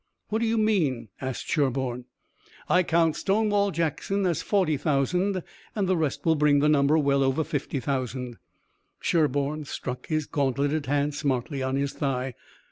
"What do you mean?" asked Sherburne. "I count Stonewall Jackson as forty thousand, and the rest will bring the number well over fifty thousand." Sherburne struck his gauntleted hand smartly on his thigh.